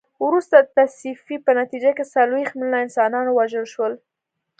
وروسته د تصفیې په نتیجه کې څلوېښت میلیونه انسانان ووژل شول.